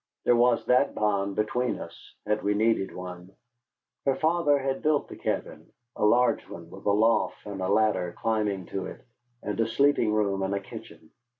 There was that bond between us, had we needed one. Her father had built the cabin, a large one with a loft and a ladder climbing to it, and a sleeping room and a kitchen.